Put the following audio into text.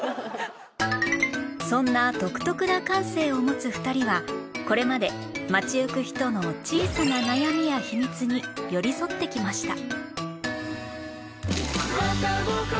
そんな独特な感性を持つ２人はこれまで街行く人の小さな悩みや秘密に寄り添ってきました